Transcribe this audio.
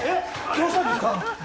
どうしたんですか？